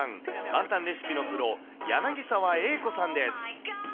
簡単レシピのプロ、柳澤英子さんです。